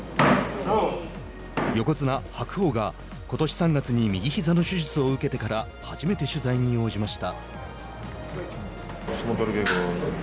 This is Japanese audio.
横綱・白鵬が、ことし３月に右ひざの手術を受けてから初めて取材に応じました。